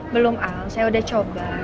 belum out saya udah coba